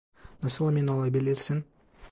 Nasıl emin olabilirsin?